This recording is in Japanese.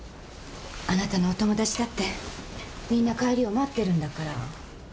あなたのお友達だってみんな帰りを待ってるんだから。